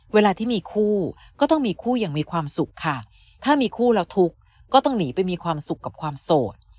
เวลาที่มีคู่ก็ต้องมีคู่อย่างมีความสุขค่ะถ้ามีคู่แล้วทุกข์ก็ต้องหนีไปมีความสุขกับความโสด